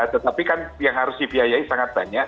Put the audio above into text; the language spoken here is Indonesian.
tetapi kan yang harus dibiayai sangat banyak